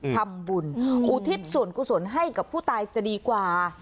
ทำบุญอุทิศส่วนกุศลให้กับผู้ตายจะดีกว่า